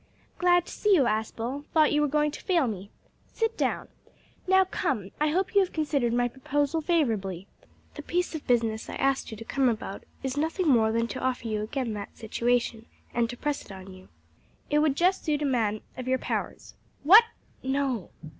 "Glad to see you, Aspel; thought you were going to fail me. Sit down. Now, come, I hope you have considered my proposal favourably. The piece of business I asked you to come about is nothing more than to offer you again that situation, and to press it on you. It would just suit a man of your powers. What! No?"